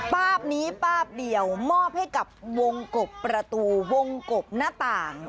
บนี้ป้าบเดียวมอบให้กับวงกบประตูวงกบหน้าต่าง